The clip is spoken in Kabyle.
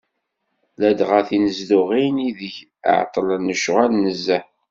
Ladɣa tinezduɣin n ideg εeṭṭlen lecɣal nezzeh.